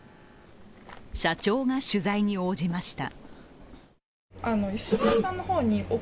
社長が取材に応じました。